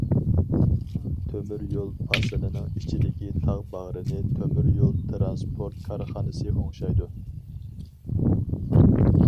تۆمۈريول پاسىلىنىڭ ئىچىدىكى تاغ باغرىنى تۆمۈريول تىرانسپورت كارخانىسى ئوڭشايدۇ.